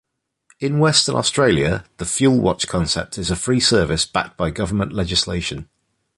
In Western Australia, the FuelWatch concept is a free service, backed by Government legislation.